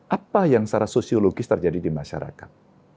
apa yang secara sosiologis terjadi di masyarakat